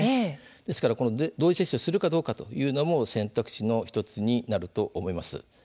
ですから同時接種をするかどうかというのも選択肢の１つになると思います。